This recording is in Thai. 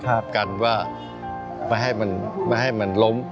การกันว่าไม่ให้มันล้ม